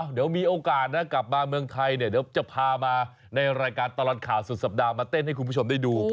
เดี๋ยวมีโอกาสนะกลับมาเมืองไทยเนี่ยเดี๋ยวจะพามาในรายการตลอดข่าวสุดสัปดาห์มาเต้นให้คุณผู้ชมได้ดู